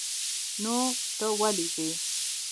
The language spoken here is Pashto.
نو ته ولې ځې؟